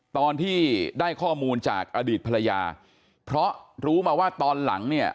ตอนที่ได้ข้อมูลจากอดีตภรรยาเพราะรู้มาว่าตอนหลังเนี่ย